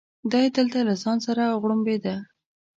دی دلته له ځان سره غوړمبېده.